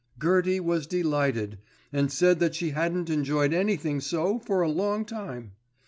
Gertie was delighted, and said that she hadn't enjoyed anything so for a long time.